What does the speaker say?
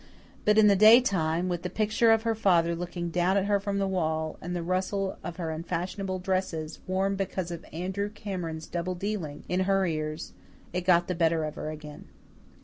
But in the daytime, with the picture of her father looking down at her from the wall, and the rustle of her unfashionable dresses, worn because of Andrew Cameron's double dealing, in her ears, it got the better of her again.